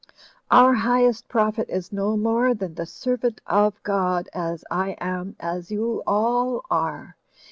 Our highest prophet is no more than the servant of God, as I am, as you all are.